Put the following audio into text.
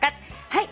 はい。